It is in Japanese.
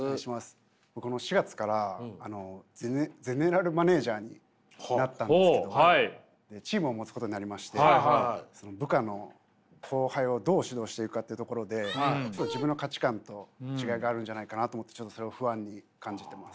この４月からゼネラルマネージャーになったんですけどチームを持つことになりましてその部下の後輩をどう指導していくかっていうところで自分の価値観と違いがあるんじゃないかなと思ってちょっとそれを不安に感じてます。